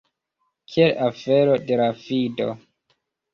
Kiel afero de la fido!